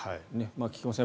菊間さん